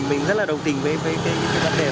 mình rất là đồng tình với vấn đề này